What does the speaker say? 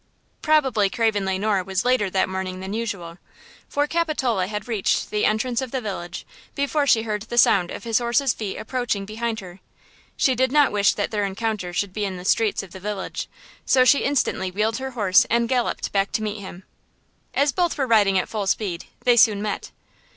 Probably Craven Le Noir was later that morning than usual, for Capitola had reached the entrance of the village before she heard the sound of his horse's feet approaching behind her. She did not wish that their encounter should be in the streets of the village, so she instantly wheeled her horse and galloped back to meet him. As both were riding at full speed, they soon met.